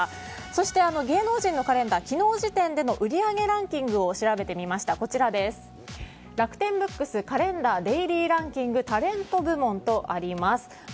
そして、芸能人のカレンダー昨日時点での売り上げランキングを調べてみますと楽天ブックスカレンダーデイリーランキングタレント部門とあります